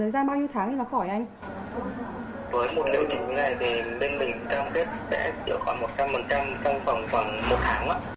với một liệu trình như thế này thì bên mình cam kết sẽ chữa khoảng một trăm linh trong khoảng một tháng á